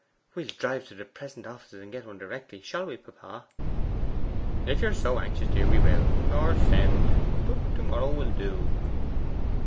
'We'll drive to the PRESENT office, and get one directly; shall we, papa?' 'If you are so anxious, dear, we will, or send. But to morrow will do.